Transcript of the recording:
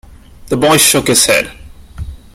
The boy shook his head.